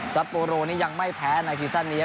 ซาโปโรด้วยนี่ยังไม่แพ้ในซีสันนี้